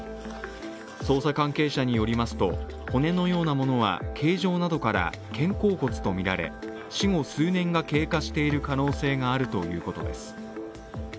捜査関係者によりますと骨のようなものは形状などから肩甲骨とみられ死後数年が経過している可能性があるということです。